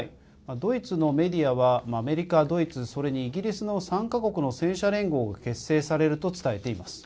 ドイツのメディアはアメリカ、ドイツそれにイギリスの３か国の戦車連合が結成されると伝えています。